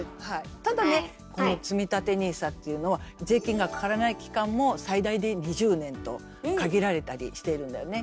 ただねこのつみたてＮＩＳＡっていうのは税金がかからない期間も最大で２０年と限られたりしているんだよね。